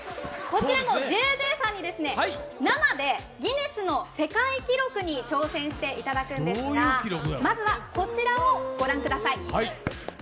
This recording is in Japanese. こちらのＪＪさんにギネス世界記録に挑戦していただくんですがまずはこちらをご覧ください。